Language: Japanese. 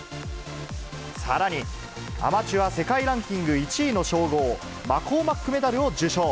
さらにアマチュア世界ランキング１位の称号、マコーマックメダルを受賞。